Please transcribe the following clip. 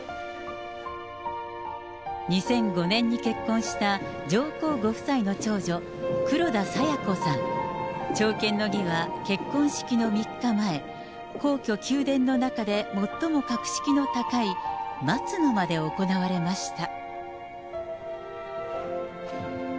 ２００５年に結婚した上皇ご夫妻の長女、朝見の儀は結婚式の３日前、皇居・宮殿の中で最も格式の高い、松の間で行われました。